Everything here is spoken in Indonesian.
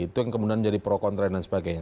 itu yang kemudian menjadi pro kontra dan sebagainya